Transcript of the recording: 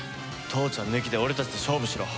父ちゃん抜きで俺たちと勝負しろ。